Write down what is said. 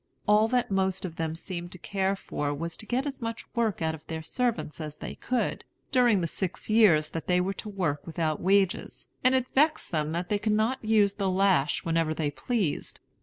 All that most of them seemed to care for was to get as much work out of their servants as they could, during the six years that they were to work without wages, and it vexed them that they could not use the lash whenever they pleased.